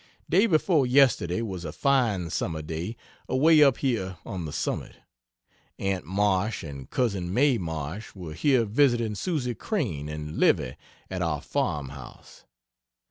Day before yesterday was a fine summer day away up here on the summit. Aunt Marsh and Cousin May Marsh were here visiting Susie Crane and Livy at our farmhouse.